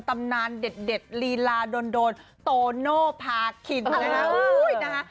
ตำนานเด็ดเด็ดลีลาโดนโดนโตโนภาคินนะฮะอู้ยนะฮะ